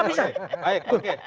bagus untuk qiem ma'ruf amin